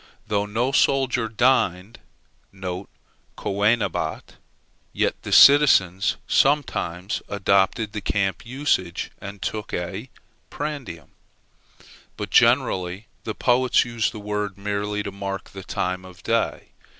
Though no soldier dined, (coenabat,) yet the citizen sometimes adopted the camp usage and took a prandium. But generally the poets use the word merely to mark the time of day.